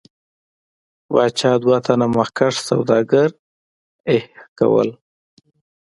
پاچا دوه تنه مخکښ سوداګر حیه کول.